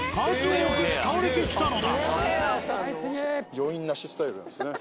余韻なしスタイルなんですね。